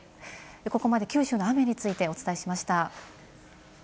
ここまで九州の雨についてお伝えしました。